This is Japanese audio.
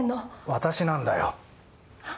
私なんだよ。は？